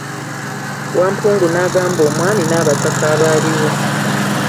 Wampungu n'agamba omwami n'abataka abaaliwo .